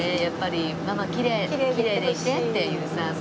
やっぱりママきれいでいてっていうさ。